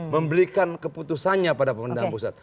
memberikan keputusannya pada pemerintahan pusat